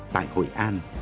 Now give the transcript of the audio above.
tại hội an